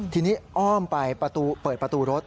ทีนี้อ้อมไปเปิดประตูรถ